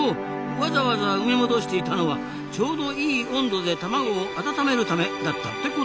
わざわざ埋め戻していたのはちょうどいい温度で卵を温めるためだったってことか。